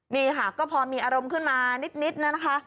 นี่ค่ะก็พอมีอารมณ์ขึ้นมานิดนะคะ